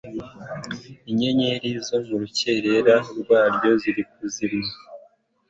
inyenyeri zo mu rukerera rwaryo zirakazima